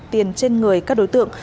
tiền trên người các đối tượng